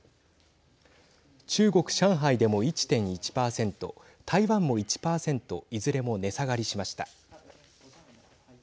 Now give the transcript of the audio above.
中国、上海でも１．１％台湾も１％いずれも値下がりしました。